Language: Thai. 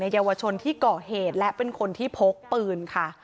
เยาวชนที่ก่อเหตุและเป็นคนที่พกปืนค่ะ